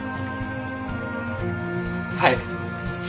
はい。